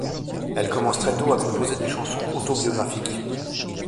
Elle commence très tôt à composer des chansons autobiographiques.